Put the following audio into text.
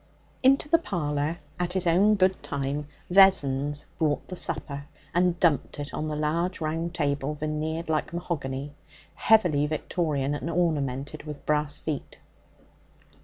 Into the parlour, at his own good time, Vessons brought the supper, and dumped it on the large round table, veneered like mahogany, heavily Victorian and ornamented with brass feet.